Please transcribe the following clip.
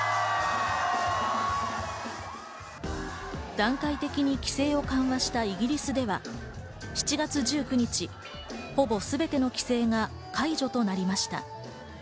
段階的に規制を緩和したイギリスでは、７月１９日、ほぼ全ての規制が解除となりました。